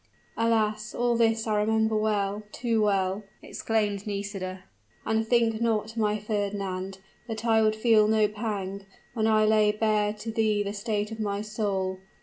"Alas! all this I remember well too well!" exclaimed Nisida. "And think not, my Fernand, that I feel no pang, when I lay bare to thee the state of my soul.